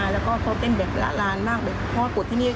แล้วก็เขาเต้นแบบละลานบ้างแบบพอปุดที่นี่